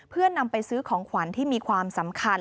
เพื่อนำไปซื้อของขวัญที่มีความสำคัญ